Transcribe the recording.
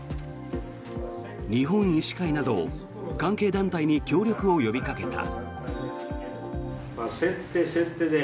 日本医師会など関係団体に協力を呼びかけた。